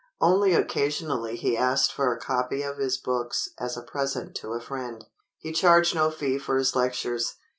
Only occasionally he asked for a copy of his books as a present to a friend. He charged no fee for his lectures.